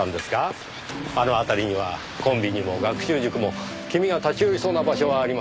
あの辺りにはコンビニも学習塾も君が立ち寄りそうな場所はありません。